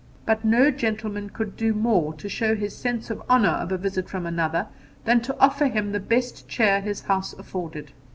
But no gentleman could do more to show his sense of the honour of a visit from another than to offer him the best cheer his house afforded.